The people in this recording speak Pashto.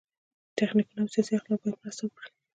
تخنیکونه او سیاسي اخلاق باید مرسته وکړي.